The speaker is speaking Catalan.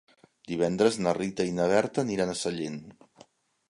Divendres na Rita i na Berta aniran a Sellent.